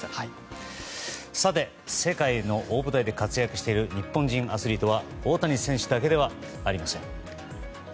さて世界の大舞台で活躍している日本人アスリートは大谷選手だけではありません。